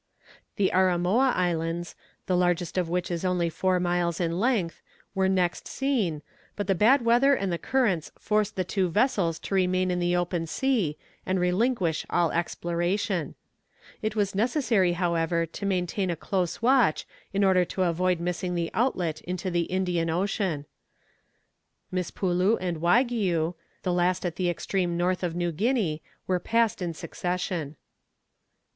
The Arimoa Islands, the largest of which is only four miles in length, were next seen, but the bad weather and the currents forced the two vessels to remain in the open sea and relinquish all exploration. It was necessary, however, to maintain a close watch in order to avoid missing the outlet into the Indian Ocean. Mispulu and Waigiou, the last at the extreme north of New Guinea, were passed in succession.